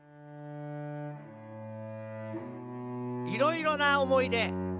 いろいろなおもいで。